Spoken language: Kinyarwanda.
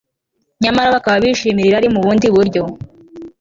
nyamara bakaba bishimira irari mu bundi buryo